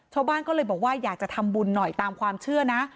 ชาวบ้านก็เลยบอกว่าอยากจะทำบุญหน่อยตามความเชื่อนะ